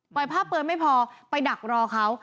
ปล่อยภาพเปิดไม่พอไปดักรอเขา